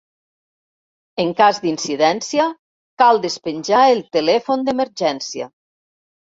En cas d'incidència, cal despenjar el telèfon d'emergència.